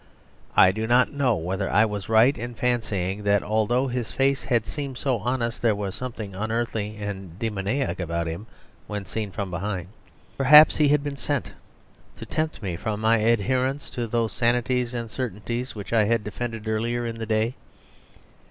I do not know whether I was right in fancying that although his face had seemed so honest there was something unearthly and demoniac about him when seen from behind. Perhaps he had been sent to tempt me from my adherence to those sanities and certainties which I had defended earlier in the day.